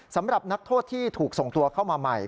สำหรับนักโทษที่ถูกส่งตัวเข้ามาใหม่